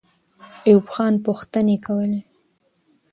ایوب خان پوښتنې کولې.